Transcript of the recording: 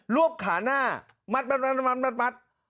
วบขาหน้ามัด